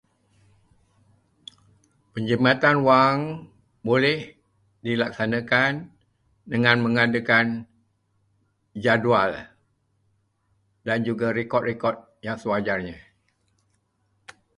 Penjimatan wang boleh dilaksanakan dengan mengadakan jadual dan rekod-rekod yang sewajarnya.